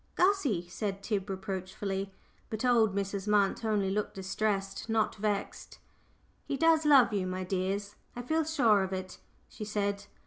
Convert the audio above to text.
"Gussie," said Tib, reproachfully. But old Mrs. Munt only looked distressed, not vexed. "He does love you, my dears: I feel sure of it," she said.